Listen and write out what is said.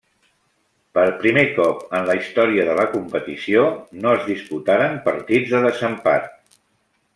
Per primer cop en la història de la competició, no es disputaren partits de desempat.